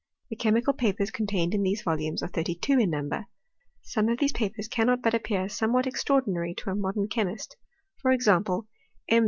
The chemical papers contained in these volumes are thirty two in number. Some of these papers cannot but appear somewhat extraordinary to a moaern chemist : for example, M.